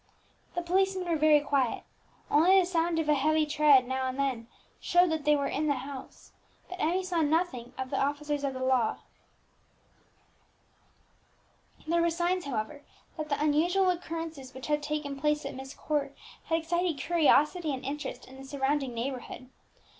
The policemen were very quiet; only the sound of a heavy tread, now and then, showed that they were in the house; but Emmie saw nothing of the officers of the law. There were signs, however, that the unusual occurrences which had taken place at Myst Court had excited curiosity and interest in the surrounding neighbourhood.